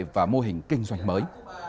và mô hình kinh doanh mới